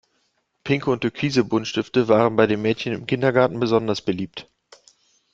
Pinke und türkise Buntstifte waren bei den Mädchen im Kindergarten besonders beliebt.